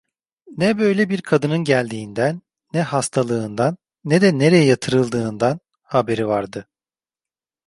Ne böyle bir kadının geldiğinden, ne hastalığından, ne de nereye yatırıldığından haberi vardı.